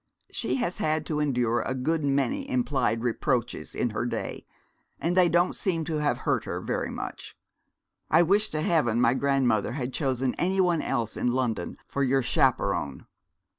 'She has had to endure a good many implied reproaches in her day, and they don't seem to have hurt her very much. I wish to heaven my grandmother had chosen any one else in London for your chaperon.'